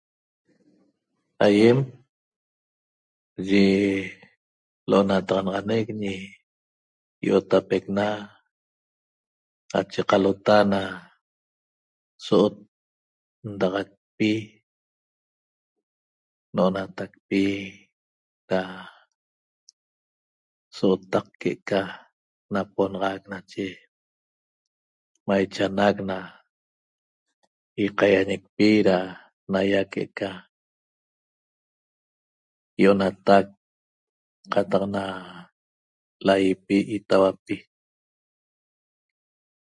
Aýem yi l'onataxanaxanec ñi I'otapecna nache qalota na so'ot ndaxacpi n'onatacpi da so'otaq que'eca naponaxac nache maiche anac na ýaqaýañicpi da naýa que'eca ýi'onatac qataq na laýipi itauapi